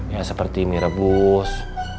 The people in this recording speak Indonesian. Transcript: ya seperti mie rebus